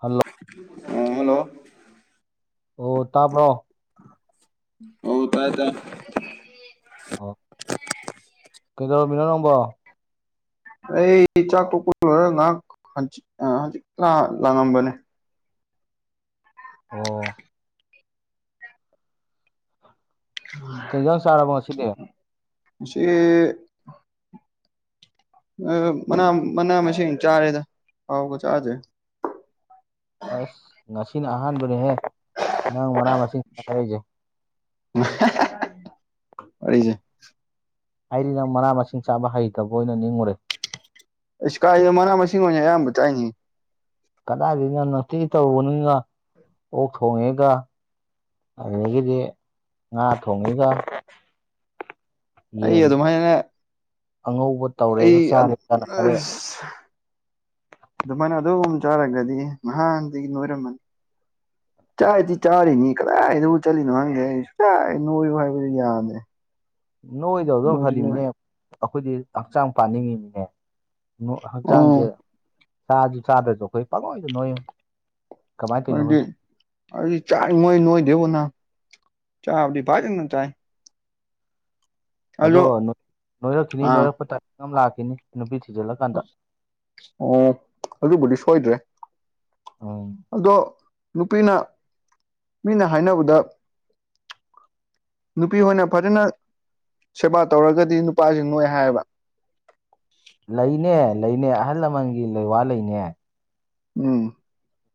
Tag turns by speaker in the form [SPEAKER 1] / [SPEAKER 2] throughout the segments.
[SPEAKER 1] hello
[SPEAKER 2] ꯐ
[SPEAKER 1] ꯑꯣ ꯇꯥꯕ꯭ꯔꯣ
[SPEAKER 2] ꯑꯣ ꯇꯥꯏ ꯇ
[SPEAKER 1] ꯑꯣ ꯀꯩꯗꯧꯔꯃꯤꯅꯣ ꯅꯪꯕꯣ
[SPEAKER 2] ꯑꯩ ꯆꯥꯛ ꯊꯣꯛꯄ ꯉꯥꯏꯍꯥꯛ ꯍꯖꯤꯤꯛꯇ ꯂꯥꯡꯉꯝꯕꯅꯦ
[SPEAKER 1] ꯑꯣ ꯀꯩ ꯏꯟꯖꯥꯡ ꯆꯥꯔꯕꯣ ꯉꯁꯤꯗꯤ
[SPEAKER 2] ꯁꯤꯦ ꯃꯅꯥ ꯃꯅꯥ ꯃꯁꯤꯡ ꯆꯥꯔꯦꯗ ꯍꯥꯎꯕ ꯆꯥꯁꯦ
[SPEAKER 1] ꯑꯁ ꯉꯁꯤꯅ ꯑꯍꯥꯟꯕꯅꯦꯍꯦ ꯅꯪ ꯃꯅꯥ ꯃꯁꯤꯡ ꯍꯥꯏꯔꯛꯏꯁꯦ
[SPEAKER 2] ꯋꯥꯔꯤꯁꯦ
[SPEAKER 1] ꯍꯥꯏꯗꯤ ꯅꯪ ꯃꯅꯥ ꯃꯁꯤꯡ ꯆꯥꯕ ꯍꯩꯇꯕ ꯑꯣꯏꯅ ꯅꯤꯡꯉꯨꯔꯦ
[SPEAKER 2] ꯏ ꯏꯁꯀꯥꯥꯏꯃꯅꯥ ꯃꯁ ꯑꯣꯏꯅꯅꯦ ꯑꯌꯥꯝ ꯌꯥꯝꯕ ꯆꯥꯏꯦ
[SPEAKER 1] ꯀꯗꯥꯏꯗꯒꯤꯅ ꯅꯨꯡꯇꯤ ꯇꯧꯔꯨꯕꯅꯤꯒ ꯑꯣꯛ ꯊꯣꯡꯉꯦꯒ ꯑꯗꯨꯗꯒꯤꯗꯤ ꯉꯥ ꯊꯣꯡꯉꯤꯒ
[SPEAKER 2] ꯑꯩ
[SPEAKER 1] ꯌꯦꯟ
[SPEAKER 2] ꯑꯗꯨꯃꯥꯏꯅ
[SPEAKER 1] ꯑꯉꯧꯕ ꯇꯧꯔꯦꯒ
[SPEAKER 2] ꯑꯩ
[SPEAKER 1] ꯆꯥꯔꯦꯒꯅ ꯍꯥꯏꯔꯛꯑꯦ
[SPEAKER 2] ꯑꯗꯨꯃꯥꯏꯅ ꯑꯗꯨ ꯆꯥꯔꯒꯗꯤ ꯅꯍꯥꯟꯗꯒꯤ ꯂꯣꯏꯔꯝꯃꯅꯤ ꯆꯥꯛꯗꯤ ꯆꯥꯔꯤꯅꯤ ꯀꯗꯥꯏꯗꯕꯨ ꯆꯠꯂꯤꯅꯣ ꯍꯪꯗꯦ ꯑꯩ ꯁꯨꯡꯛꯆꯥꯏ ꯅꯣꯏꯌꯨ ꯍꯥꯏꯕꯗꯨ ꯌꯥꯅꯤ
[SPEAKER 1] ꯅꯣꯏꯗꯧ ꯑꯗꯨꯝ ꯐꯅꯤꯃꯤꯅꯦ ꯑꯩꯈꯣꯏꯗꯤ ꯍꯛꯆꯥꯡ ꯄꯥꯅꯤꯡꯉꯤꯃꯤꯅꯦ
[SPEAKER 2] ꯑꯣ
[SPEAKER 1] ꯍꯛꯆꯥꯡꯁꯦ ꯆꯥꯁꯨ ꯆꯥꯗ꯭ꯔꯁꯨ ꯑꯩꯈꯣꯏ ꯄꯥꯉꯣꯏꯗ ꯅꯣꯏꯨ
[SPEAKER 2] ꯃꯖꯦ ꯑꯗꯨꯗꯤ ꯆꯥꯏ ꯃꯣꯏ ꯅꯣꯏꯗꯦꯕꯅ ꯆꯥꯕꯗꯤ ꯐꯥꯏꯖꯅ ꯆꯥꯏ
[SPEAKER 1] ꯑꯗꯣ ꯅꯣꯏꯔꯛꯈꯤꯅꯤ
[SPEAKER 2] ꯑꯥ
[SPEAKER 1] ꯅꯣꯏꯔꯛꯄ ꯇꯥꯏꯃꯤꯡ ꯑꯃ ꯂꯥꯛꯈꯤꯅꯤ ꯅꯨꯄꯤ ꯊꯤꯖꯤꯜꯂꯀꯥꯟꯗ
[SPEAKER 2] ꯑꯣ ꯑꯗꯨꯕꯨꯗꯤ ꯁꯣꯏꯗ꯭ꯔꯦ
[SPEAKER 1] ꯑ
[SPEAKER 2] ꯑꯗꯣ ꯅꯨꯄꯤꯅ ꯃꯤꯅ ꯍꯥꯏꯅꯕꯗ ꯅꯨꯄꯤ ꯍꯣꯏꯅ ꯐꯖꯅ ꯁꯦꯕꯥ ꯇꯧꯔꯒꯗꯤ ꯅꯨꯄꯥꯁꯤ ꯅꯣꯏ ꯍꯥꯏꯌꯦꯕ
[SPEAKER 1] ꯂꯩꯅꯦ ꯂꯩꯅꯦ ꯑꯍꯜ ꯂꯃꯟꯒꯤ ꯂꯩ ꯋꯥ ꯂꯩꯅꯦ
[SPEAKER 2] ꯎꯝ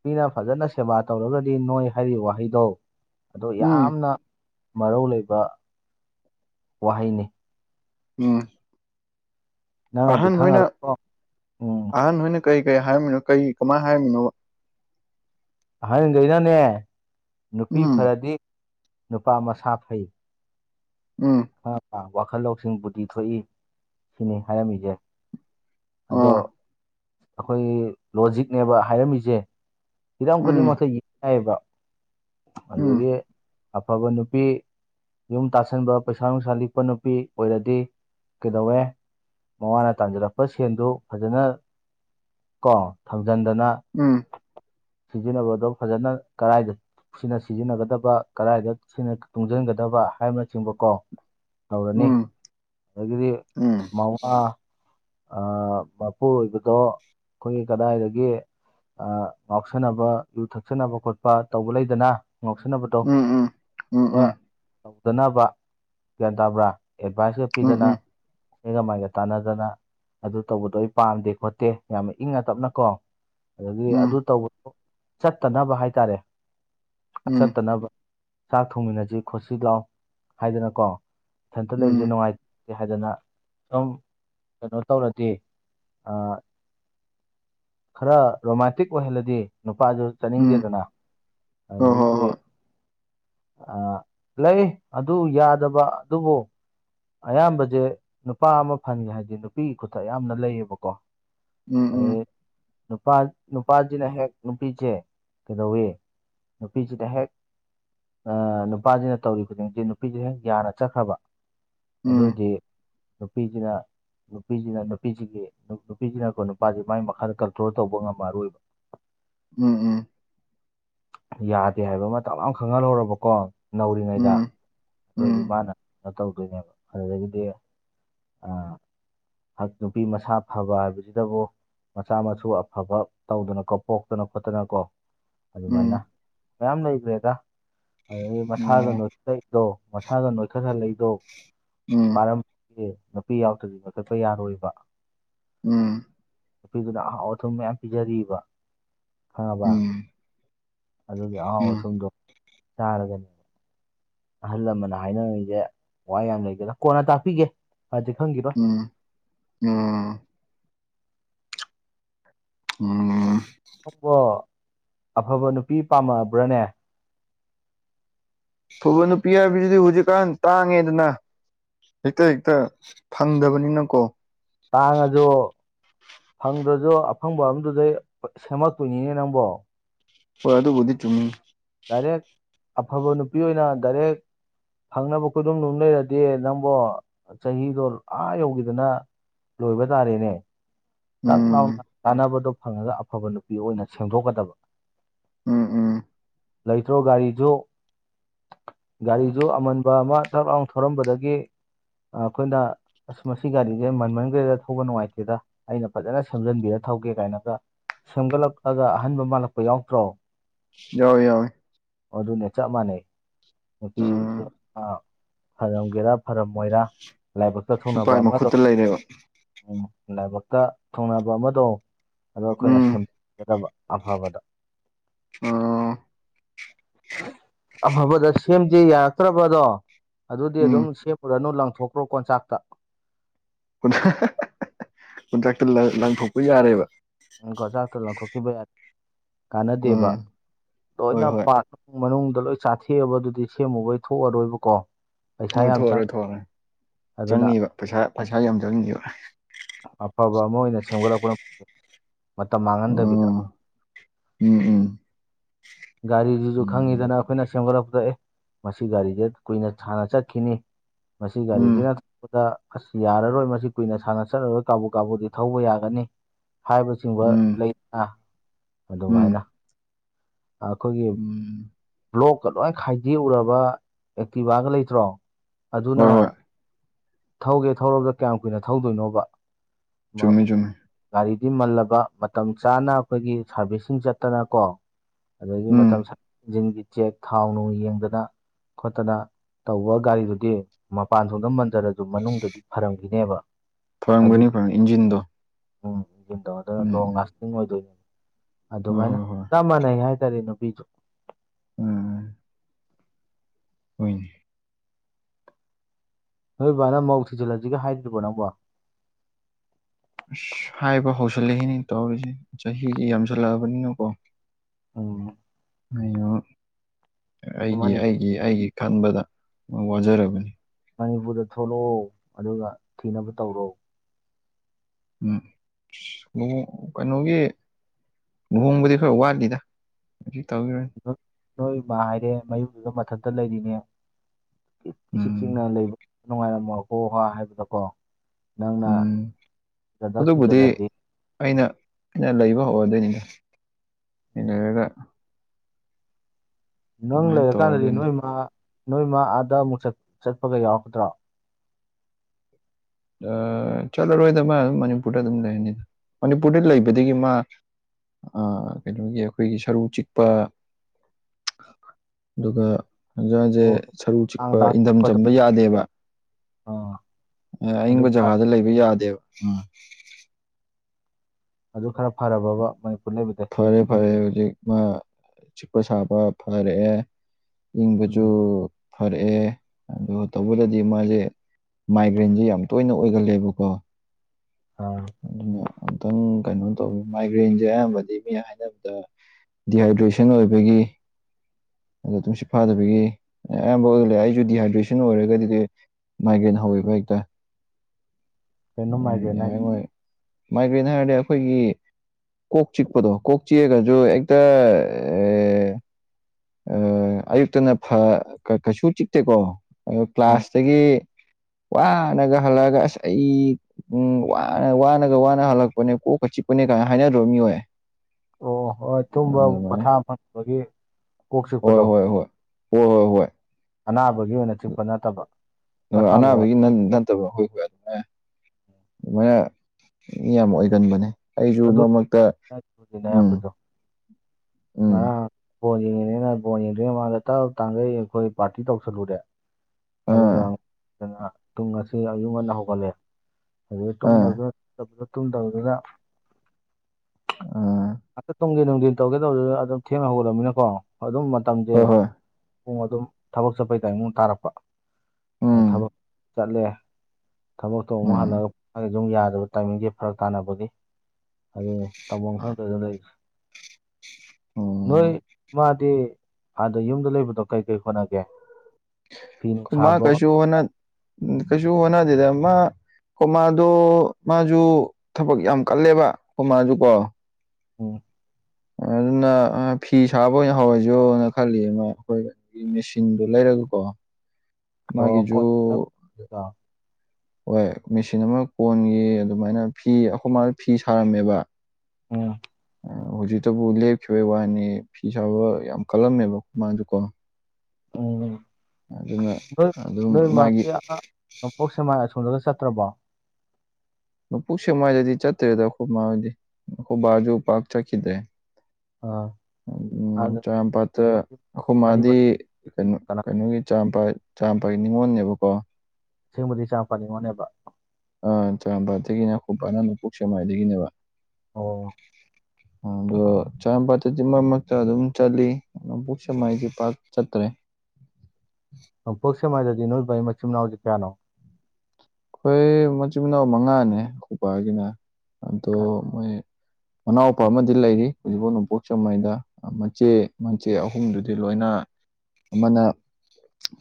[SPEAKER 1] ꯃꯤꯅ ꯐꯖꯅ ꯁꯦꯕꯥ ꯇꯧꯔꯒꯗꯤ ꯅꯣꯏ ꯍꯥꯏꯔꯤꯕ ꯋꯥꯍꯩꯗꯣ ꯑꯣ
[SPEAKER 2] ꯎꯝ
[SPEAKER 1] ꯌꯥꯝꯅ ꯃꯔꯧ ꯂꯩꯕ ꯋꯥꯍꯩꯅꯤ
[SPEAKER 2] ꯎꯝ
[SPEAKER 1] ꯅꯪꯅꯗꯤ
[SPEAKER 2] ꯑꯍꯟ ꯍꯣꯏꯅ
[SPEAKER 1] ꯈꯪꯉꯔꯣꯏꯀꯣ ꯎꯝ
[SPEAKER 2] ꯑꯍꯟ ꯍꯣꯏꯅ ꯀꯩ ꯀꯔꯤ ꯍꯥꯏꯔꯝꯃꯤꯅꯣ ꯀꯩ ꯀꯃꯥꯏꯅ ꯍꯥꯏꯔꯝꯃꯤꯅꯣ
[SPEAKER 1] ꯑꯍꯟꯈꯩꯅꯅꯦ ꯅꯨꯄꯤ
[SPEAKER 2] ꯎꯝ
[SPEAKER 1] ꯐꯔꯗꯤ ꯅꯨꯄꯥ ꯃꯁꯥ ꯐꯩ
[SPEAKER 2] ꯎꯝ
[SPEAKER 1] ꯋꯥꯈꯜ ꯂꯧꯁꯤꯡ ꯕꯨꯗꯤꯤ ꯊꯣꯛꯏ ꯁꯤꯅꯤ ꯍꯥꯏꯔꯝꯃꯤꯁꯦ ꯑꯗꯣ
[SPEAKER 2] ꯑꯥ
[SPEAKER 1] ꯑꯩꯈꯣꯏꯒꯤ ꯂꯣꯖꯤꯛꯅꯦꯕ ꯍꯥꯏꯔꯝꯃꯤꯁꯦ ꯍꯤꯔꯝ
[SPEAKER 2] ꯎꯝ
[SPEAKER 1] ꯈꯨꯗꯤꯡꯃꯛꯇ ꯌꯦꯡꯉꯏꯑꯕ
[SPEAKER 2] ꯎꯝ
[SPEAKER 1] ꯑꯗꯨꯗꯒꯤ ꯑꯐꯕ ꯅꯨꯄꯤ ꯌꯨꯝ ꯇꯥꯁꯟꯕ ꯄꯩꯁꯥ ꯅꯨꯡꯁꯥ ꯂꯤꯛꯄ ꯅꯨꯄꯤ ꯑꯣꯏꯔꯗꯤ ꯀꯩꯗꯧꯋꯦ ꯃꯃꯥꯅ ꯇꯥꯟꯁꯤꯜꯂꯛꯄ ꯁꯦꯟꯗꯨ ꯐꯖꯅ ꯀꯣ ꯊꯝꯖꯤꯟꯗꯅ
[SPEAKER 2] ꯎꯝ
[SPEAKER 1] ꯁꯤꯖꯤꯟꯅꯕꯗꯣ ꯐꯖꯅ ꯀꯔꯥꯏꯗ ꯁꯤꯅ ꯁꯤꯖꯤꯟꯅꯒꯗꯕ ꯀꯗꯥꯏꯗ ꯁꯤꯅ ꯇꯨꯡꯁꯤꯟꯒꯗꯕ ꯍꯥꯏꯕꯅꯆꯤꯡꯕ ꯀꯣ ꯍꯧꯧꯔꯅꯤ
[SPEAKER 2] ꯎꯝ
[SPEAKER 1] ꯑꯗꯒꯤꯗꯤ
[SPEAKER 2] ꯎꯝ
[SPEAKER 1] ꯃꯃꯥ ꯃꯄꯨꯔ ꯑꯣꯏꯕꯗꯣ ꯑꯩꯈꯣꯏꯒꯤ ꯀꯗꯥꯏꯗꯒꯤ ꯉꯥꯎꯁꯟꯅꯕ ꯌꯨ ꯊꯛꯆꯕ ꯈꯣꯠꯄ ꯇꯧꯕ ꯂꯩꯗꯅ ꯉꯥꯎꯁꯟꯅꯕ ꯇ
[SPEAKER 2] ꯎꯝ ꯎꯝ ꯎꯝ ꯎꯝ
[SPEAKER 1] ꯇꯧꯗꯅꯕ ꯒ꯭ꯌꯥꯟ ꯇꯥꯕ꯭ꯔꯥ ꯑꯦꯗꯚꯥꯏꯁ
[SPEAKER 2] ꯎꯝ
[SPEAKER 1] ꯇꯞꯄꯤꯗꯅ
[SPEAKER 2] ꯎꯝ
[SPEAKER 1] ꯍꯒ ꯃꯥꯏꯒ ꯇꯥꯟꯅꯗꯅ ꯑꯗꯨ ꯇꯧꯕꯗꯣ ꯑꯩ ꯄꯥꯝꯗꯦ ꯈꯣꯠꯇꯦ ꯌꯥꯝꯅ ꯏꯪꯅ ꯇꯞꯅ ꯀꯣ ꯑꯗꯨꯗꯒꯤ ꯑꯗꯨ ꯇꯧꯕꯗ ꯆꯠꯇꯅꯕ ꯍꯥꯏ ꯇꯔꯦ
[SPEAKER 2] ꯎꯝ
[SPEAKER 1] ꯆꯠꯇꯅꯕ ꯆꯥꯛ ꯊꯣꯡꯃꯤꯟꯅꯁꯤ ꯈꯣꯠꯁꯤ ꯂꯥꯎ ꯍꯥꯏꯗꯅꯀꯣ ꯁꯦꯟꯇ
[SPEAKER 2] ꯎꯝ
[SPEAKER 1] ꯂꯩꯕꯁꯦ
[SPEAKER 2] ꯎꯝ
[SPEAKER 1] ꯅꯨꯡꯉꯥꯏ ꯀꯦ ꯍꯥꯏꯗꯅ ꯁꯨꯝ ꯀꯩꯅꯣ ꯇꯧꯔꯗꯤ ꯑ ꯈꯔ ꯔꯣꯃꯥꯟꯇꯤꯛ ꯑꯣꯏꯍꯜꯂꯗꯤ ꯅꯨꯄꯥꯗꯨ
[SPEAKER 2] ꯎꯝ
[SPEAKER 1] ꯆꯠꯅꯤꯡꯗꯦꯗꯅ
[SPEAKER 2] ꯍꯣꯏ ꯍꯣꯏ
[SPEAKER 1] ꯑꯗꯨꯗꯒꯤꯗꯤ
[SPEAKER 2] ꯍꯣꯏ
[SPEAKER 1] ꯑ ꯂꯩ ꯑꯗꯨ ꯌꯥꯗꯕ ꯑꯗꯨꯕꯨ ꯑꯌꯥꯝꯕꯁꯦ ꯅꯨꯄꯥ ꯑꯃ ꯐꯪꯉꯦ ꯍꯥꯏꯗꯤ ꯅꯨꯄꯤꯒꯤ ꯈꯨꯠꯇ ꯑꯌꯥꯝꯅ ꯂꯩꯌꯦꯕꯀꯣ
[SPEAKER 2] ꯎꯝ ꯎꯝ
[SPEAKER 1] ꯑꯗꯩ ꯅꯨꯄꯥ ꯅꯨꯄꯥꯁꯤꯅ ꯍꯦꯛ ꯅꯨꯄꯤꯁꯦ ꯀꯩꯗꯧꯋꯤ ꯅꯨꯄꯤꯁꯤꯅ ꯍꯦꯛ ꯅꯨꯄꯥꯁꯤꯅ ꯇꯧꯔꯤ ꯈꯨꯗꯤꯡꯁꯤ ꯅꯨꯄꯤꯁꯤ ꯍꯦꯛ ꯌꯥꯌꯥꯅ ꯆꯠꯈ꯭ꯔꯕ ꯑꯗꯨ
[SPEAKER 2] ꯎꯝ
[SPEAKER 1] ꯑꯣꯏꯗꯤ ꯅꯨꯄꯤꯁꯤꯅ ꯅꯨꯄꯤꯁꯤꯅ ꯅꯨꯄꯤꯁꯤꯒꯤ ꯅꯨꯄꯤꯁꯤꯅꯀꯣ ꯅꯨꯄꯥꯁꯤ ꯃꯥꯏ ꯃꯈꯥꯗ ꯀꯟꯇ꯭ꯔꯣꯜ ꯇꯧꯕ ꯉꯝꯃꯔꯣꯏꯕ
[SPEAKER 2] ꯎꯝ ꯎꯝ
[SPEAKER 1] ꯌꯥꯗꯦ ꯍꯥꯏꯕ ꯃꯇꯝ ꯑꯃ ꯈꯪꯍꯜꯍꯧꯔꯕꯀꯣ ꯅꯧꯔꯤꯉꯩꯗ
[SPEAKER 2] ꯎꯝ
[SPEAKER 1] ꯑꯗꯨ
[SPEAKER 2] ꯎꯝ
[SPEAKER 1] ꯑꯣꯏꯔꯗꯤ ꯃꯥꯅ ꯀꯩꯅꯣ ꯇꯧꯗꯣꯏꯅꯦꯕ ꯑꯗꯨꯗꯒꯤꯗꯤ ꯍꯛ ꯅꯨꯄꯤ ꯃꯁꯥ ꯐꯕ ꯍꯥꯏꯕꯁꯤꯗꯕꯨ ꯃꯆꯥ ꯃꯁꯨ ꯑꯐꯕ ꯇꯧꯗꯅꯀꯣ ꯄꯣꯛꯇꯅ ꯈꯣꯠꯇꯅꯀꯣ
[SPEAKER 2] ꯎꯝ
[SPEAKER 1] ꯑꯗꯨꯃꯥꯏꯅ
[SPEAKER 2] ꯎꯝ
[SPEAKER 1] ꯃꯌꯥꯝ ꯂꯩꯈ꯭ꯔꯦꯗ ꯑꯗꯒꯤ ꯃꯁꯥꯒ
[SPEAKER 2] ꯑꯣ
[SPEAKER 1] ꯅꯣꯏ ꯂꯩꯗꯣ ꯃꯁꯥꯅ ꯅꯣꯏꯈꯠꯍꯜꯂꯛꯏꯗꯣ
[SPEAKER 2] ꯎꯝ
[SPEAKER 1] ꯄꯔ ꯅꯨꯄꯤ ꯌꯥꯎꯗ꯭ꯔꯗꯤ ꯉꯈꯠꯄ ꯌꯥꯔꯣꯏꯕ
[SPEAKER 2] ꯎꯝ
[SPEAKER 1] ꯅꯨꯄꯤꯗꯨꯅ ꯑꯍꯥꯎ ꯑꯊꯨꯝꯕ ꯃꯌꯥꯝ ꯄꯤꯖꯔꯤꯕ ꯈꯪꯉꯕ
[SPEAKER 2] ꯎꯝ
[SPEAKER 1] ꯑꯗꯨꯒꯤ ꯑꯋꯥꯥꯎ
[SPEAKER 2] ꯎꯝ
[SPEAKER 1] ꯑꯊꯨꯝꯗꯣ ꯆꯥꯔꯒꯅꯤ ꯑꯍꯜ ꯂꯃꯟꯅ ꯍꯥꯏꯅꯔꯤꯏꯁꯦ ꯋꯥ ꯌꯥꯝ ꯂꯩꯒꯦꯗ ꯀꯣꯟꯅ ꯇꯥꯛꯄꯤꯒꯦ ꯐꯗꯤ ꯈꯪꯒꯤꯔꯣ
[SPEAKER 2] ꯎꯝ ꯎꯝ ꯎ
[SPEAKER 1] ꯅꯪꯣ ꯑꯐꯕ ꯅꯨꯄꯤ ꯄꯥꯝꯃꯕ꯭ꯔꯅꯦ
[SPEAKER 2] ꯊꯕ ꯅꯨꯄꯤ ꯍꯥꯏꯕꯤꯗꯨꯗꯤ ꯍꯧꯖꯤꯛꯀꯥꯟ ꯇꯥꯡꯉꯦꯗꯅ ꯍꯦꯛꯇ ꯍꯦꯛꯇ ꯐꯪꯗꯕꯅꯤꯅꯀꯣ
[SPEAKER 1] ꯇꯥꯡꯉꯗꯣ ꯐꯪꯗ꯭ꯔꯁꯨ ꯑꯐꯪꯕ ꯑꯗꯨꯗꯩ ꯁꯦꯝꯃꯛꯇꯣꯏꯅꯤꯅꯦ ꯅꯪꯕꯣ
[SPEAKER 2] ꯍꯣꯏ ꯑꯗꯨꯕꯨꯗꯤ ꯆꯨꯝꯃꯤ
[SPEAKER 1] ꯗꯥꯏꯔꯦꯛ ꯑꯐꯕ ꯅꯨꯄꯤ ꯑꯣꯏꯅ ꯗꯥꯏꯔꯦꯛ ꯍꯪꯅꯕ ꯈꯨꯣꯏꯗꯝꯗꯨꯝ ꯂꯩꯔꯗꯤ ꯅꯪꯕꯣ ꯆꯍꯤꯗꯣ ꯑꯥ ꯌꯧꯈꯤꯗꯅ ꯂꯣꯏꯕ ꯇꯥꯔꯦꯅꯦ ꯇꯛ
[SPEAKER 2] ꯎꯝ
[SPEAKER 1] ꯂꯥꯎꯅ ꯆꯥꯅꯕꯗꯣ ꯐꯪꯉꯒ ꯑꯐꯕ ꯅꯨꯄꯤ ꯑꯣꯏꯅ ꯁꯦꯝꯦꯡꯗꯣꯛꯀꯗꯕ
[SPEAKER 2] ꯎꯝ ꯎꯝ
[SPEAKER 1] ꯂꯩꯇ꯭ꯔꯣ ꯒꯥꯔꯤꯁꯨ ꯒꯥꯔꯤꯁꯨ ꯑꯃꯟꯕ ꯑꯃ ꯊꯔꯛ ꯂꯥꯎ ꯊꯧꯔꯝꯕꯗꯒꯤ ꯑꯩꯈꯣꯏꯅ ꯑꯁ ꯃꯁꯤ ꯒꯥꯔꯤꯁꯦ ꯃꯟꯃꯟ ꯀꯔꯤꯩꯗ ꯊꯧꯕ ꯅꯨꯡꯉꯥꯏꯇꯦꯗ ꯑꯩꯅ ꯐꯖꯅ ꯁꯦꯝꯖꯤꯟꯕꯤꯔ ꯊꯧꯒꯦ ꯀꯥꯏꯅꯒ ꯁꯦꯝꯒꯠꯂꯛꯂꯒ ꯑꯍꯟꯕ ꯃꯥꯜꯂꯛꯄ ꯌꯥꯎꯗ꯭ꯔꯣ
[SPEAKER 2] ꯌꯥꯎꯋꯦ ꯌꯥꯎꯋꯦ
[SPEAKER 1] ꯑꯗꯨ ꯑꯗꯨꯅꯦ ꯆ ꯃꯥꯅꯦ ꯅꯨꯄꯤ
[SPEAKER 2] ꯎꯝ
[SPEAKER 1] ꯐꯔꯝꯒꯦꯔꯥ ꯐꯔꯝꯃꯣꯏꯔ ꯂꯥꯏꯕꯛꯇ ꯊꯨꯡꯅꯕ
[SPEAKER 2] ꯅꯨꯄꯥꯒꯤ
[SPEAKER 1] ꯑꯃꯗꯣ
[SPEAKER 2] ꯃꯈꯨꯠꯇ ꯂꯩꯔꯦꯕ
[SPEAKER 1] ꯂꯥꯏꯕꯛꯇ ꯊꯨꯡꯅꯕ ꯑꯃꯗꯣ ꯑꯗꯣ ꯑꯩꯈꯣꯏꯅ
[SPEAKER 2] ꯎꯝ
[SPEAKER 1] ꯁꯦꯝꯕꯤꯒꯗꯕ ꯑꯐꯕꯗ
[SPEAKER 2] ꯑꯣ
[SPEAKER 1] ꯑꯐꯕꯗ ꯁꯦꯝꯗꯦ ꯌꯥꯔꯛꯇ꯭ꯔꯕꯗꯣ ꯑꯗꯨꯗꯤ ꯑꯗꯨꯝ
[SPEAKER 2] ꯎꯝ
[SPEAKER 1] ꯎꯔꯅꯨ ꯂꯪꯊꯣꯛꯈ꯭ꯔꯣ ꯀꯣꯟꯣꯡꯆꯥꯛꯇ
[SPEAKER 2] ꯨꯟꯊ꯭ꯔꯥ ꯀꯨꯟꯊ꯭ꯔꯛꯇ ꯂꯪꯊꯣꯛꯄ ꯌꯥꯔꯦꯕ
[SPEAKER 1] ꯎ ꯀꯣꯆꯥꯛꯇ ꯂꯪꯊꯣꯛꯈꯤꯕ ꯌꯥ ꯀꯥꯟꯅꯗꯦꯕ
[SPEAKER 2] ꯎꯝ ꯍꯣꯏ
[SPEAKER 1] ꯂꯣꯏꯅ
[SPEAKER 2] ꯍꯣꯏ
[SPEAKER 1] ꯄ ꯨꯡ ꯃꯅꯨꯡꯗ ꯂꯣꯏ ꯆꯥꯊꯦꯛꯑꯕ ꯑꯗꯨꯗꯤ ꯁꯦꯝꯃꯨꯕꯩ ꯊꯣꯛꯑꯔꯣꯏꯕꯀꯣ ꯄꯩꯁꯥ
[SPEAKER 2] ꯑꯣ
[SPEAKER 1] ꯌꯥꯝ ꯆꯪ
[SPEAKER 2] ꯊꯑꯔꯦ ꯊꯣꯛꯑꯦ
[SPEAKER 1] ꯑꯗꯨꯅ
[SPEAKER 2] ꯆꯪꯅꯤꯕ ꯄꯩꯁꯥ ꯄꯩꯁꯥ ꯌꯥꯝ ꯆꯪꯅꯤꯕ
[SPEAKER 1] ꯑꯐꯕ ꯑꯃ ꯑꯣꯏꯅ ꯁꯦꯝꯒꯠꯂꯛꯄꯅ ꯃꯇꯝ ꯃꯥꯡꯍꯟꯗꯕꯤꯗ
[SPEAKER 2] ꯎꯝ ꯎꯝ ꯎꯝ
[SPEAKER 1] ꯒꯥꯔꯤꯁꯤꯁꯨ
[SPEAKER 2] ꯎꯝ
[SPEAKER 1] ꯈꯪꯉꯤꯗꯅ ꯑꯩꯈꯣꯏꯅ ꯁꯦꯝꯒꯠꯂꯛꯑꯦ ꯃꯁꯤ ꯒꯥꯔꯤꯁꯦ ꯀꯨꯏꯅ ꯁꯥꯟꯅ ꯆꯠꯈꯤꯅꯤ
[SPEAKER 2] ꯎꯝ
[SPEAKER 1] ꯁꯁ꯭ꯔꯤꯀꯥꯔꯗ ꯗ ꯑꯁ ꯌꯥꯔꯔꯣꯏ ꯃꯁꯤ ꯀꯨꯏꯅ ꯁꯥꯟꯅ ꯆꯠꯂꯔꯣꯏ ꯀꯥꯡꯕꯨ ꯀꯥꯡꯕꯨꯗꯤ ꯊꯧꯕ ꯌꯥꯒꯅꯤ ꯍꯥꯏꯕ ꯆꯤꯡꯕ
[SPEAKER 2] ꯎꯝ
[SPEAKER 1] ꯂꯩꯅ
[SPEAKER 2] ꯎꯝ
[SPEAKER 1] ꯑꯗꯨꯃꯥꯏꯅ ꯑꯩꯈꯣꯏꯒꯤ
[SPEAKER 2] ꯎꯝ
[SPEAKER 1] ꯕ꯭ꯂꯣꯛꯀ ꯂꯣꯏ ꯈꯥꯏꯗꯦꯎꯔꯕ ꯑꯦꯛꯇꯤꯚꯒ ꯂꯩꯇ꯭ꯔꯣ ꯑꯗꯨꯅ
[SPEAKER 2] ꯍꯣꯏ ꯍꯣꯏ
[SPEAKER 1] ꯊꯧꯒꯦ ꯊꯧꯔꯕꯗ ꯀꯌꯥꯝ ꯀꯨꯏꯅ ꯊꯧꯗꯣꯏꯅꯣꯕ
[SPEAKER 2] ꯆꯨꯝꯃꯤ ꯆꯨꯝꯃꯤ
[SPEAKER 1] ꯒꯥꯔꯤꯗꯤ ꯃꯜꯂꯕ ꯃꯇꯝ ꯆꯥꯅ ꯑꯩꯈꯣꯏꯒꯤ ꯁꯥꯔꯚꯤꯁꯁꯤꯡ ꯆꯠꯇꯅ ꯀꯣ ꯑꯗꯨꯗꯒꯤ
[SPEAKER 2] ꯎꯝ
[SPEAKER 1] ꯃꯇꯝ ꯁ ꯏꯟꯖꯤꯟꯒꯤ ꯆꯦꯛ ꯊꯥꯎ ꯅꯨꯡ ꯌꯦꯡꯗꯅ ꯈꯣꯠꯇꯅ ꯇꯧꯕ ꯒꯥꯔꯤꯗꯨꯗꯤ ꯃꯄꯥꯟ ꯊꯣꯡꯗ ꯃꯟꯖꯔꯁꯨ ꯃꯅꯨꯡꯗꯗꯤ ꯐꯔꯝꯈꯤꯅꯦꯕ
[SPEAKER 2] ꯐꯪꯝꯒꯅꯤ ꯐꯪꯅꯤ ꯏꯟꯖꯤꯟꯗꯣ
[SPEAKER 1] ꯎꯝꯗ ꯑꯗꯨ
[SPEAKER 2] ꯎꯝ
[SPEAKER 1] ꯂꯣꯡ
[SPEAKER 2] ꯎꯝ
[SPEAKER 1] ꯂꯥꯁꯇꯤꯡ ꯑꯣꯏꯗꯣꯏꯅꯦꯅꯤ
[SPEAKER 2] ꯍꯣꯏ
[SPEAKER 1] ꯑꯗꯨꯃꯥꯏꯅ
[SPEAKER 2] ꯍꯣꯏ ꯍꯣꯏ
[SPEAKER 1] ꯆꯞ ꯃꯥꯟꯅꯩ ꯍꯥꯏꯇꯥꯔꯦ ꯅꯨꯄꯤꯁꯨ
[SPEAKER 2] ꯎꯝ ꯍꯨꯟ
[SPEAKER 1] ꯅꯣꯏ ꯕꯕꯥ ꯅꯪ ꯃꯧ ꯊꯤꯖꯤꯜꯂꯁꯤꯒ ꯍꯥꯏꯗ꯭ꯔꯤꯕꯣ ꯅꯪꯕꯣ
[SPEAKER 2] ꯑꯁ ꯍꯥꯏꯕ ꯍꯧꯁꯜꯂꯛꯏꯅꯦ ꯇꯧꯔꯤꯁꯦ ꯆꯍꯤꯁꯦ ꯌꯥꯝꯁꯜꯂꯛꯑꯕꯅꯤꯅꯀꯣ
[SPEAKER 1] ꯑꯣ
[SPEAKER 2] ꯑꯩꯅ ꯑꯩꯒꯤ ꯑꯩꯒꯤ ꯑꯩꯒꯤ ꯈꯟꯕꯗ ꯋꯥꯖꯔꯕꯅꯤ
[SPEAKER 1] ꯃꯅꯤꯄꯨꯔꯗ ꯊꯣꯛꯂꯛꯑꯣ ꯑꯗꯨꯒ ꯊꯤꯅꯕ ꯇꯧꯔꯣ
[SPEAKER 2] ꯎꯝ [unintelligible] ꯀꯩꯅꯣꯒꯤ ꯂꯨꯍꯣꯡꯕꯗꯤ ꯈꯔ ꯋꯥꯠꯂꯤꯗ ꯍꯧꯖꯤꯛ ꯇꯧꯈꯤꯔꯣꯏ
[SPEAKER 1] ꯅꯣꯏꯃ ꯍꯥꯏꯔꯦ ꯃꯌꯨꯝꯗꯨ ꯃꯊꯟꯇ ꯂꯩꯔꯤꯅꯦ ꯏꯆꯤꯛ
[SPEAKER 2] ꯎꯝ
[SPEAKER 1] ꯆꯤꯛꯅ ꯂꯩꯕ ꯅꯨꯡꯉꯥꯏꯔꯝꯃꫭꯏ ꯍꯣ ꯍꯥ ꯍꯥꯏꯕꯗꯀꯣ ꯅꯪꯅ
[SPEAKER 2] ꯎꯝ
[SPEAKER 1] ꯆꯗ [unintelligible]
[SPEAKER 2] ꯑꯗꯨꯕꯨꯗꯤ
[SPEAKER 1] ꯁꯤꯖꯂꯗꯤ
[SPEAKER 2] ꯑꯩꯅ ꯑꯩꯅ ꯂꯩꯕ ꯍꯧꯔꯗꯣꯏꯅꯤꯅ ꯑ [unintelligible] ꯂꯩꯔꯒ
[SPEAKER 1] ꯅꯪ
[SPEAKER 2] ꯑꯗꯨꯃꯥꯏꯅ
[SPEAKER 1] ꯂꯩꯔꯀꯥꯟꯗꯗꯤ
[SPEAKER 2] ꯇꯧꯔꯗꯣꯏꯅꯤ
[SPEAKER 1] ꯅꯣꯏꯃ ꯅꯣꯏ ꯃꯥ ꯑꯥꯗ ꯑꯃꯨꯛ ꯆꯠꯄꯒ ꯌꯥꯎꯔꯛꯇꯔꯣ
[SPEAKER 2] ꯑꯥ ꯆꯠꯂꯔꯣꯏꯗꯕ ꯃꯥ ꯑꯗꯨꯝ ꯃꯅꯤꯄꯨꯔꯗ ꯑꯗꯨꯝ ꯂꯩꯔꯅꯤꯗ ꯃꯅꯤꯄꯨꯔꯗ ꯂꯩꯕꯗꯒꯤ ꯃꯥ ꯀꯩꯅꯣꯒꯤ ꯑꯩꯈꯣꯏꯒꯤ ꯁꯔꯨ ꯆꯤꯛꯄ ꯑꯗꯨꯒ ꯍꯛꯆꯥꯡꯁꯦ
[SPEAKER 1] ꯑꯣ
[SPEAKER 2] ꯁꯔꯨ
[SPEAKER 1] ꯇꯥꯡ
[SPEAKER 2] ꯆꯤꯛꯄ ꯏꯟꯊꯝ ꯆꯝꯕ ꯌꯥꯗꯦꯕ
[SPEAKER 1] ꯑꯣ
[SPEAKER 2] ꯑꯌꯤꯡꯕ ꯖꯒꯥꯗ ꯂꯩꯕ ꯌꯥꯗꯦꯕ ꯎꯝ
[SPEAKER 1] ꯑꯗꯨ ꯈꯔ ꯐꯔꯕꯕ ꯃꯅꯤꯄꯨꯔ ꯂꯩꯕꯗꯩ
[SPEAKER 2] ꯐꯔꯦ ꯐꯔꯦ ꯍꯧꯖꯤꯛ ꯃꯥ ꯆꯤꯛꯄ ꯁꯥꯕ ꯐꯔꯛꯑꯦ ꯏꯪꯕꯁꯨ
[SPEAKER 1] ꯎꯝ
[SPEAKER 2] ꯐꯔꯛꯑꯦ ꯑꯗꯨ ꯇꯧꯕꯗꯗꯤ ꯃꯥꯁꯦ ꯃꯥꯏꯒ꯭ꯔꯦꯟꯁꯦ ꯌꯥꯝ ꯇꯣꯏꯅ ꯑꯣꯏꯒꯜꯂꯦꯕꯀꯣ
[SPEAKER 1] ꯑꯥ
[SPEAKER 2] ꯑꯗꯨꯅ ꯑꯝꯛꯇꯪ ꯀꯩꯅꯣ ꯇꯧꯋꯤ ꯃꯥꯏꯒ꯭ꯔꯦꯟꯁꯦ ꯑꯌꯥꯝꯕꯗꯤ ꯃꯤ ꯍꯥꯏꯅꯕꯗ ꯗꯤꯍꯥꯏꯗ꯭ꯔꯦꯁꯟ ꯑꯣꯏꯕꯒꯤ ꯑꯗꯣ ꯇꯨꯡꯁꯤꯠ ꯐꯥꯗꯕꯒꯤ ꯑꯌꯥꯝꯕ ꯑꯣꯏꯒꯜꯂꯦ ꯑꯩꯁꯨ ꯗꯤꯍꯥꯏꯗ꯭ꯔꯦꯁꯟ ꯑꯣꯏꯔꯒꯗꯤ ꯃꯥꯏꯒ꯭ꯔꯦꯟ ꯍꯧꯋꯤꯕ ꯍꯦꯛꯇ
[SPEAKER 1] ꯀꯩꯅꯣ ꯃꯥꯏꯒ꯭ꯔꯦꯟ ꯍꯥꯏꯁꯦ
[SPEAKER 2] ꯅꯍꯥꯟꯋꯥꯏ ꯃꯥꯏꯒ꯭ꯔꯦꯟ ꯍꯥꯏꯔꯗꯤ ꯑꯩꯈꯣꯏꯒꯤ ꯀꯣꯛ ꯆꯤꯛꯄꯗꯣ ꯀꯣꯛ ꯆꯤꯛꯑꯒꯁꯨ ꯍ‌ꯦꯛꯇ ꯑ ꯑꯌꯨꯛꯇꯅ ꯐ ꯀꯩꯁꯨ ꯆꯤꯛꯇꯦꯀꯣ ꯑꯗꯨ
[SPEAKER 1] ꯎꯝ
[SPEAKER 2] ꯀ꯭ꯂꯥꯁꯇꯒꯤ ꯋꯥꯅꯒ ꯍꯜꯂꯛꯑꯒ ꯑꯁ ꯑꯩ ꯎꯝ ꯋꯥꯅ ꯋꯥꯅꯒ ꯋꯥꯅ ꯍꯜꯂꯛꯄꯅꯦ ꯀꯣꯛꯀ ꯆꯤꯛꯄꯅꯦ ꯀꯥꯏꯅ ꯍꯥꯏꯅꯗꯔꫭ ꯃꯤꯑꯣꯏ
[SPEAKER 1] ꯑꯣ ꯍꯣꯏ ꯇꯨꯝꯕ
[SPEAKER 2] ꯑꯗꯨꯃꯥꯏꯅ
[SPEAKER 1] ꯄꯣꯊꯥ ꯐꯪꯗꯕꯒꯤ
[SPEAKER 2] ꯍꯣꯏ ꯍꯣꯏ ꯍꯣꯏ ꯍꯣꯏ ꯍꯣꯏ ꯍꯣꯏ
[SPEAKER 1] ꯑꯅꯥꯕꯒꯤ ꯑꯣꯏꯅ ꯆꯤꯛꯄ ꯅꯠꯇꯕ ꯄꯣꯊꯥꯕ ꯋꯥꯠ
[SPEAKER 2] ꯐꯠꯇꯕ ꯍꯣꯏ ꯍꯣꯏ [unintelligible] ꯑꯗꯨꯃꯥꯏꯅ ꯑꯗꯨꯃꯥꯏꯅ ꯃꯤ ꯌꯥꯝ ꯑꯣꯏꯒꯟꯕꯅꯦ ꯑꯩꯁꯨ
[SPEAKER 1] ꯑ ꯄꯨ
[SPEAKER 2] ꯃꯔꯛ ꯃꯔꯛꯇ
[SPEAKER 1] ꯑ [unintelligible]
[SPEAKER 2] ꯎꯝ ꯎꯝ
[SPEAKER 1] ꯕꫭꯜ ꯌꯦꯡꯉꯤꯅ‌ꯦꯅ ꯕꫭꯜ ꯌꯦꯡꯗ꯭ꯉꯩ ꯃꯃꯥꯡꯗ ꯇꯞ ꯇꯥꯡꯈꯩ ꯑꯩꯈꯣꯏ ꯄꯥꯔꯇꯤ ꯇꯧꯁꯜꯂꯨꯔꯦ
[SPEAKER 2] ꯑꯥ
[SPEAKER 1] ꯑꯗꯨꯒ ꯇꯨꯡ ꯑꯁꯤ ꯑꯌꯨꯛ ꯉꯟꯅ ꯍꯧꯒꯠꯂꯦ ꯑꯗꯨꯗꯩ
[SPEAKER 2] ꯑꯥ
[SPEAKER 1] ꯇꯨꯝꯗꯕꯗꯨꯅ ꯇꯨꯝꯗꯕꯗꯨꯅ ꯇꯨꯝꯗꯕꯗꯨꯅ
[SPEAKER 2] ꯑꯥ
[SPEAKER 1] ꯉꯥꯛꯇ ꯇꯨꯡꯒꯤ ꯅꯨꯡꯊꯤꯟ ꯇꯧꯒꯦ ꯇꯧꯕꯗꯨꯗ ꯑꯗꯨꯝ ꯊꯦꯝꯅ ꯍꯧ꯭ꯔꯃꯤꯅꯀꯣ ꯑꯗꯨꯝ ꯃꯇꯝꯁꯦ
[SPEAKER 2] ꯍꯣꯏ ꯍꯣꯏ
[SPEAKER 1] ꯄꯨꯡ ꯑꯗꯨꯝ ꯊꯕꯛ ꯆꯠꯄꯩ ꯇꯥꯏꯃꯨꯡ ꯇꯥꯔꯛꯄ
[SPEAKER 2] ꯎꯝ
[SPEAKER 1] ꯊꯕꯛ ꯆꯠꯂꯦ ꯊꯕꯛꯇꫭ ꯑꯃꯨꯛ
[SPEAKER 2] ꯎꯝ
[SPEAKER 1] ꯍꯜꯂꯒ ꯑꯗꯨꯝ ꯌꯥꯗꯕ ꯇꯥꯏꯃꯤꯡꯁꯦ ꯐꯔꯛ ꯇꯥꯟꯅꯕꯒꯤ ꯑꯗꯨꯅ‌ꯦ ꯇꯧꯐꯝ ꯈꯪꯗꯗꯥ ꯅꯥ ꯂꯩꯔꯤꯁ‌ꯦ ꯅꯣꯏ
[SPEAKER 2] ꯑꯣ
[SPEAKER 1] ꯃꯥꯗꯤ ꯑꯥꯗ ꯌꯨꯝꯗ ꯂꯩꯕꯗꯣ ꯀꯩ ꯀꯩ ꯍꯣꯠꯅꯒꯦ ꯐꯤ ꯅꯨꯡ
[SPEAKER 2] ꯃꯥ
[SPEAKER 1] ꯁꯥꯕ
[SPEAKER 2] ꯀꯩꯁꯨ ꯍꫭꯠꯅ ꯀꯩꯁꯨ ꯍꫭꯠꯅꯗ‌ꯦꯗ ꯃꯥ ꯑꯈꫭꯏꯃꯥꯗꯣ ꯃꯥꯁꯨ ꯊꯕꯛ ꯌꯥꯝ ꯀꯜꯂꯦꯕ ꯑꯈꫭꯏꯃꯥꯁꯨꯀꯣ
[SPEAKER 1] ꯎꯝ
[SPEAKER 2] ꯑꯗꯨꯅ ꯐꯤ ꯁꯥꯕ ꯑꯣꯏꯅ ꯍꯧꯔꯁꯤꯔꫭꯅ ꯈꯜꯂꯤꯌ‌ꯦꯉꫭ ꯑꯩꯈꯣꯏꯗ ꯃꯦꯆꯤꯟꯗꯣ ꯂꯩꯔꯒꯀꯣ
[SPEAKER 1] ꯑꯣ
[SPEAKER 2] ꯃꯥꯒꯤꯁꯨ
[SPEAKER 1] ꯀꯠꯇ [unintelligible]
[SPEAKER 2] ꯍꯣꯏ ꯃꯦꯆꯤꯟ ꯑꯃ ꯀꯣꯟꯒꯤ ꯑꯗꯨꯃꯥꯏꯅ ꯐꯤ ꯑꯈꫭꯏꯃꯖꯨ ꯐꯤ ꯁꯥꯔꯝꯃꯦꯕ
[SPEAKER 1] ꯎꯝ
[SPEAKER 2] ꯍꯧꯖꯤꯛꯇꯕꯨ ꯂꯦꯞꯈꯤꯕꯩ ꯋꯥꯅꯤ ꯐꯤ ꯁꯥꯕ ꯌꯥꯝ ꯀꯜꯂꯝꯃꯦꯕ ꯃꯥꯗꯨꯀꯣ
[SPEAKER 1] ꯎꯝ
[SPEAKER 2] ꯑꯗꯨꯅ
[SPEAKER 1] ꯅꯣꯏ
[SPEAKER 2] ꯑꯗꯨꯝ
[SPEAKER 1] ꯅꯣꯏ
[SPEAKER 2] ꯃꯥꯒꯤ
[SPEAKER 1] ꯃꯁꯤ ꯅꯣꯡꯄꯣꯛ ꯁꯦꯃꯥꯏ ꯑꯁꯣꯝꯗꯒ ꯆꯠꯇ꯭ꯔꯕꯣ
[SPEAKER 2] ꯅꯨ ꯄꯨꯛ ꯁꯦꯡꯋꯥꯏꯗꯗꯤ ꯆꯠꯇ꯭ꯔꯦꯗ ꯑꯩꯈꯣꯏ ꯃꯥꯗꯤ ꯑꯩꯈꯣꯏ ꯕꯥꯖ ꯄꯥꯛ ꯆꯠꯈꯤꯗ꯭ꯔꯦ
[SPEAKER 1] ꯑꯥ
[SPEAKER 2] ꯎꯝ
[SPEAKER 1] ꯍꯥꯟꯅ
[SPEAKER 2] ꯆꯄꯥꯠꯇ
[SPEAKER 1] ꯃꯔꯤ ꯃꯔꯤ
[SPEAKER 2] ꯑꯍꯨꯝꯗꯤ
[SPEAKER 1] ꯃꯇꯥ
[SPEAKER 2] ꯀꯩꯅꯣ
[SPEAKER 1] ꯀꯅꯥ
[SPEAKER 2] ꯀꯩꯅꯣꯒꯤ ꯆꯄꯥ ꯆꯥꯃꯄꯥꯒꯤ ꯅꯤꯉꯣꯜꯅꯦꯕꯀꯣ
[SPEAKER 1] ꯦꯡꯕꯗꯤ ꯆꯥ ꯐꯅꯤꯡꯉꯣꯅꯦꯕ
[SPEAKER 2] ꯑ ꯆꯥꯝꯄꯥꯠꯇꯗꯒꯤꯅꯦ ꯑꯩꯈꯄꯥꯅ ꯅꯄꯣꯛ ꯆꯦꯡꯃꯥꯏꯗꯒꯤꯅꯦꯕ
[SPEAKER 1] ꯑꯣ
[SPEAKER 2] ꯑꯗꯣ ꯆꯥꯝꯄꯥ ꯆ ꯃꯔꯃꯛꯇ ꯑꯗꯨꯝ ꯆꯠꯂꯤ ꯕꯨꯛꯁ ꯃꯥꯏꯁꯤ ꯄꯥꯛ ꯆꯠꯇ꯭ꯔꯦ
[SPEAKER 1] ꯅꯣꯄꯣꯛ ꯁꯦꯛꯃꯥꯏ ꯗ ꯗꯤ ꯅꯣꯏ ꯚ ꯃꯆꯤꯟ ꯃꯅꯥꯎꯁꯦ ꯀꯌꯥꯅꯣ
[SPEAKER 2] ꯑꯩꯈꯣꯏ ꯃꯆꯤꯟ ꯃꯅꯥꯎ ꯃꯉꯥꯅꯦ ꯈꯨꯄꯥꯒꯤꯅ ꯑꯗꯣ ꯃꯣꯏ ꯃꯅꯥꯎꯄꯥ ꯑꯃꯗꯤ ꯂꯩꯔꯤ ꯍꯧꯖꯤꯛꯐꯥꯎ ꯅꯣꯡꯄꯣꯛ ꯆꯦꯡꯃꯩꯗ ꯃꯆꯦ ꯃꯆꯦ ꯑꯍꯨꯝꯗꯨꯗꯤ ꯂꯣꯏꯅ ꯑꯃꯅ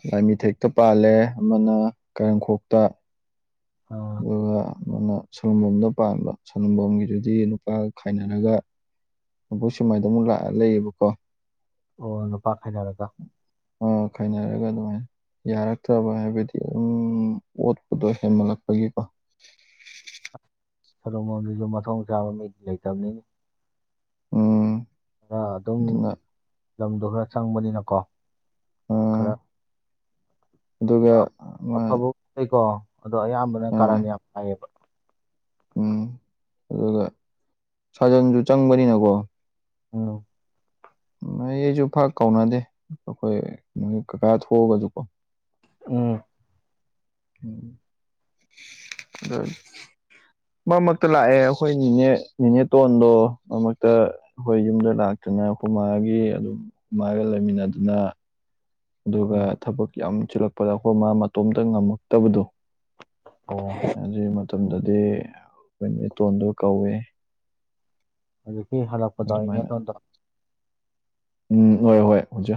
[SPEAKER 2] ꯂꯥꯏꯃꯤꯊꯦꯛꯇ ꯄꯥꯜꯂꯦ ꯑꯃꯅ ꯀꯔꯪꯈꯣꯛꯇ
[SPEAKER 1] ꯍ
[SPEAKER 2] ꯑꯗꯨꯒ ꯅꯣꯏꯅ ꯁꯅꯨꯝꯝꯕꯝꯅ ꯄꯥꯟꯕ ꯁꯅꯝꯕꯝꯒꯤꯗꯨꯗꯤ ꯅꯨꯄꯥꯒ ꯈꯥꯏꯅꯔꯒ ꯅꯣꯏ ꯁꯨꯃꯥꯏꯗꯅ ꯑꯃꯨꯛ ꯂꯥꯛꯑ ꯂꯩꯌꯦꯕꯀꯣ
[SPEAKER 1] ꯑꯣ ꯅꯨꯄꯥꯛ ꯈꯅꯔꯒ
[SPEAKER 2] ꯑ ꯈꯥꯏꯅꯔꯒ ꯑꯗꯨꯃꯥꯏꯅ ꯌꯥꯔꯛꯇ꯭ꯔꯕ ꯍꯥꯏꯕꯗꯤ ꯑꯗꯨꯝ ꯑꯣꯠꯄꯗꯣ ꯍꯦꯟꯃꯜꯂꯛꯄꯒꯤꯀꯣ
[SPEAKER 1] ꯁꯂꯨ ꯂꯣꯝꯗꯁꯨ ꯃꯊꯣꯡ ꯆꯥꯕ ꯃꯤ ꯂꯩꯇꯕꯅꯤꯅꯤ
[SPEAKER 2] ꯑꯣ
[SPEAKER 1] ꯈꯔ ꯑꯗꯨꯝ ꯂꯝꯗꯣ ꯈꯔ ꯆꯪꯕꯅꯤꯅꯀꯣ
[SPEAKER 2] ꯑꯥ
[SPEAKER 1] ꯈꯔ
[SPEAKER 2] ꯑꯗꯨꯒ ꯑꯃ
[SPEAKER 1] ꯑꯐꯕ ꯂꯩꯀꯣ ꯑꯗꯣ ꯑꯌꯥꯝꯕꯅ ꯀꯥꯔꯟ ꯌꯥꯝ ꯍꯥꯏꯌꯦꯕ
[SPEAKER 2] ꯎꯝ ꯑꯗꯨꯒ ꯁꯥꯖꯟꯁꯨ ꯆꯪꯕꯅꯤꯅꯀꯣ
[SPEAKER 1] ꯑ
[SPEAKER 2] ꯅꯣꯏ ꯑꯩꯁꯨ ꯐꯥꯛ ꯀꯥꯎꯅꯗꯦ ꯑꯩꯈꯣꯏ ꯅꯣꯏ ꯀꯀꯥ ꯊꯣꯛꯑꯒꯁꯨꯀꯣ
[SPEAKER 1] ꯎ
[SPEAKER 2] ꯎꯝ ꯑ ꯃꯔꯛ ꯃꯔꯛꯇ ꯂꯥꯛꯑꯦ ꯑꯩꯈꯣꯏꯅꯦ ꯅꯅꯤꯅꯦꯇꯣꯟꯗꯣ ꯃꯔ ꯃꯔꯛꯇ ꯑꯩꯈꯣꯏ ꯌꯨꯝꯗ ꯂꯥꯛꯇꯨꯅ ꯍꯈ ꯃꯥꯒꯤ ꯑꯗꯨꯝ ꯍꯃꯒ ꯂꯩꯃꯤꯟꯅꯗꯅ ꯑꯗꯨꯒ
[SPEAKER 1] ꯎꯝ
[SPEAKER 2] ꯊꯕꯛ ꯌꯥꯝ ꯆꯤꯜꯂꯛꯄꯗ ꯑꯩꯈꯣꯏ ꯃꯥ ꯃꯇꯣꯝꯇ ꯉꯝꯃꯛꯇꯕꯗꯣ
[SPEAKER 1] ꯑꯣ
[SPEAKER 2] ꯑꯗꯨꯒꯤ ꯃꯇꯝꯗꯗꯤ ꯑꯩꯈꯣꯏ ꯃꯤꯇꯣꯟꯗꯨ ꯀꯧꯏ
[SPEAKER 1] ꯑꯗꯨꯛꯗꯒꯤ ꯍꯂꯛꯄꯗꯥ ꯏꯅꯦ
[SPEAKER 2] ꯑꯗꯨꯃꯥꯏꯅ
[SPEAKER 1] ꯇꯣ
[SPEAKER 2] ꯎꯝ ꯍꯣꯏ ꯍꯣꯏ ꯑꯣꯖꯥ